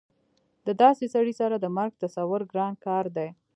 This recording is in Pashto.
د داسې سړي سره د مرګ تصور ګران کار دی